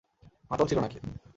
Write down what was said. মাতাল ছিল নাকি?